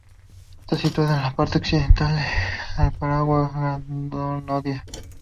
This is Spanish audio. Está situada en la parte occidental de la Alpujarra Granadina.